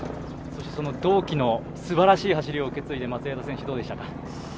同期のすばらしい走りを受け継いで、松枝選手、いかがでしたか？